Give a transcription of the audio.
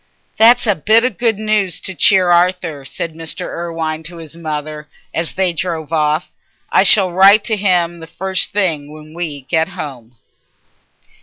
"That's a bit of good news to cheer Arthur," said Mr. Irwine to his mother, as they drove off. "I shall write to him the first thing when we get home."